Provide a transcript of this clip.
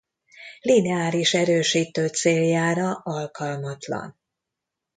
Lineáris erősítő céljára alkalmatlan.